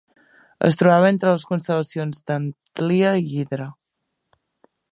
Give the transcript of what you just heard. Es trobava entre les constel·lacions d"Antlia i Hydra.